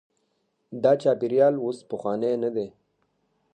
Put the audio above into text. دا چاپیریال اوس پخوانی نه دی.